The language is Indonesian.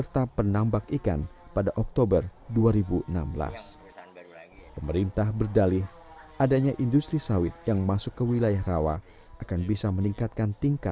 tidak ada punya tanah hak milik lagi